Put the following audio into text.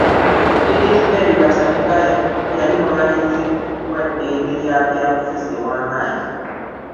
Edith Mary Bataringaya yali mulwanirizi wa ddembe lya byabufuzi ow'amaanyi